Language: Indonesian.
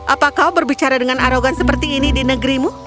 apa kau berbicara dengan arogan seperti ini di negerimu